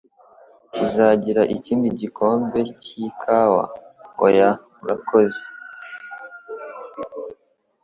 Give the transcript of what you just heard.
Uzagira ikindi gikombe cy'ikawa?" "Oya, urakoze."